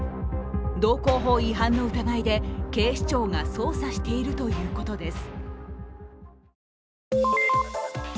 道交法違反の疑いで警視庁が捜査しているということです。